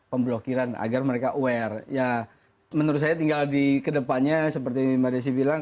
pemblokiran agar mereka aware ya menurut saya tinggal di kedepannya seperti mbak desi bilang